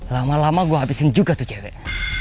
lama lama gue habisin juga tuh cewek